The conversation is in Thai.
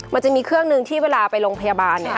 มันจะมีเครื่องหนึ่งที่เวลาไปโรงพยาบาล